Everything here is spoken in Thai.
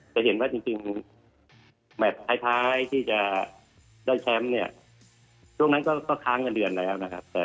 จะเห็นว่าจริงแมทท้ายที่จะได้แชมป์เนี่ยช่วงนั้นก็ค้าเงินเดือนแล้วนะครับ